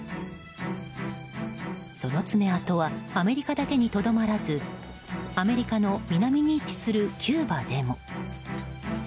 その爪痕はアメリカだけにとどまらずアメリカの南に位置するキューバでも。